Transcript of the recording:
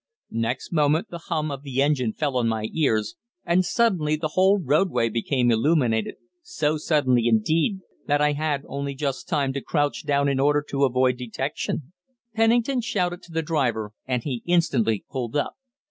Next moment the hum of the engine fell on my ears, and suddenly the whole roadway became illuminated, so suddenly, indeed, that I had only just time to crouch down in order to avoid detection. Pennington shouted to the driver, and he instantly pulled up.